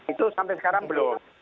itu sampai sekarang belum